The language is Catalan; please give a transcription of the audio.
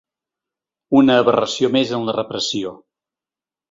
Una aberració més en la repressió.